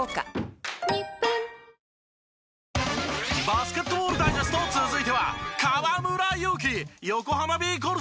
バスケットボールダイジェスト続いては。